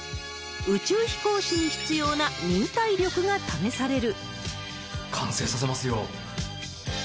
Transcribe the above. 宇宙飛行士に必要な忍耐力が試される。